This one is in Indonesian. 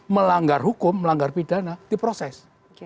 melanggar hukum melanggar pidana diproses